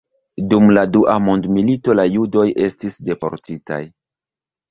Dum la dua mondmilito la judoj estis deportitaj.